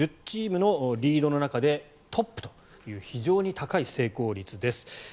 １０チームのリードの中でトップという非常に高い成功率です。